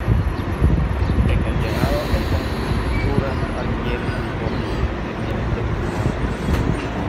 En el llenado, estas estructuras adquieren la forma que tienen destinada.